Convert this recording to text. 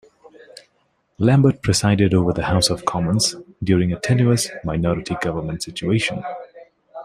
Lambert presided over the House of Commons during a tenuous minority government situation.